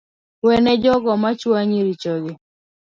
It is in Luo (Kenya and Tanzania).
Wene jogo machuanyi richogi